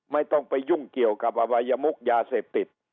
ไม่ต้องไปยุ่งเกี่ยวกับอวัยมุกยาเสพติด